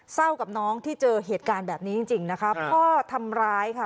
กับน้องที่เจอเหตุการณ์แบบนี้จริงจริงนะคะพ่อทำร้ายค่ะ